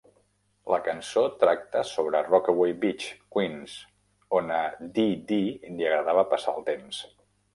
La cançó tracta sobre Rockaway Beach, Queens, on a Dee Dee li agradava passar el temps.